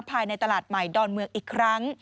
ภายในตลาดใหม่ดอนเมืองอีกครั้ง